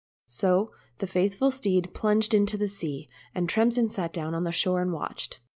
— So the faithful steed plunged into the sea, and Tremsin sat down on the shore and watched.